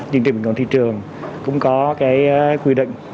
diện trình bình cộng thị trường cũng có quy định